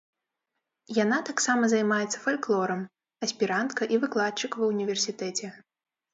Яна таксама займаецца фальклорам, аспірантка і выкладчык ва ўніверсітэце.